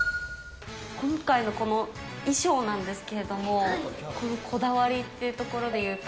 今回のこの衣装なんですけれども、このこだわりっていうところでいうと。